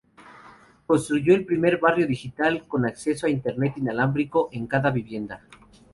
Construyó el Primer Barrio Digital, con acceso a Internet inalámbrico en cada vivienda.